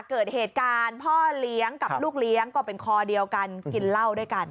เกิดเหตุการณ์พ่อเลี้ยงกับลูกเลี้ยงก็เป็นคอเดียวกันกินเหล้าด้วยกัน